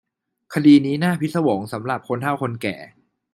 คดีนี้น่าพิศวงสำหรับคนเฒ่าคนแก่